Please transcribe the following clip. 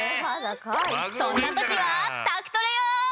そんなときは宅トレよ！